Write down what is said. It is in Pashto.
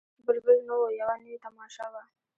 بلبل نه وو یوه نوې تماشه وه